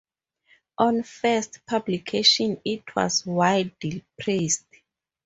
On first publication it was widely praised.